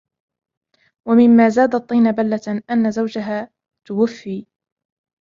ومما زاد الطين بلةً ، أن زوجها توفي.